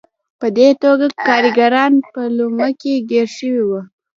په دې توګه کارګران په لومه کې ګیر شوي وو.